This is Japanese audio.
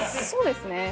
そうですね。